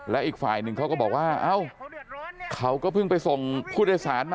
และอีกฝ่ายหนึ่งเขาก็บอกว่าเอ้าเขาก็เพิ่งไปส่งผู้โดยสารมา